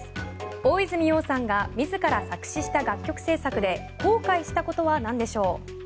大泉洋さんが自ら作詞した楽曲制作で後悔したことは何でしょう。